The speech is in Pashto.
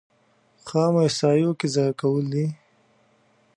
خامو احصایو کې ځای کول دي.